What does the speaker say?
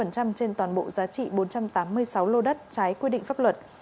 trên toàn bộ giá trị bốn trăm tám mươi sáu lô đất trái quy định pháp luật